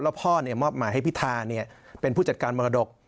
แล้วพ่อมาให้พี่ทาเป็นผู้จัดการมรดก